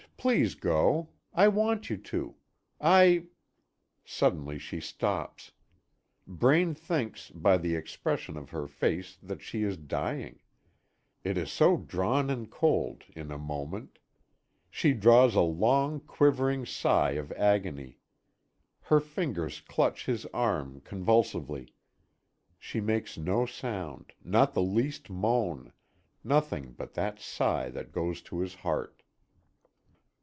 Please go. I want you to. I " Suddenly she stops. Braine thinks, by the expression of her face that she is dying, it is so drawn and old, in a moment. She draws a long, quivering sigh of agony. Her fingers clutch his arm convulsively. She makes no sound, not the least moan, nothing but that sigh that goes to his heart.